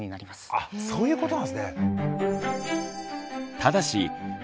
あそういうことなんですね。